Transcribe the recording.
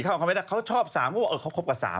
๔เขาก็ไม่ได้เขาชอบ๓เขาก็ว่าเขาคบกับ๓